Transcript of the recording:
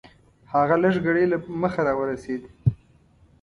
هغه لږ ګړی له مخه راورسېد .